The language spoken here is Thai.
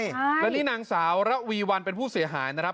แล้วนี่นางสาวระวีวันเป็นผู้เสียหายนะครับ